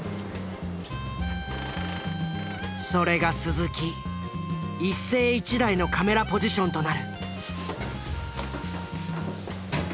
それが鈴木一世一代のカメラポジションとなる。